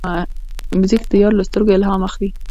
موزیک د یار له سترګو الهام اخلي.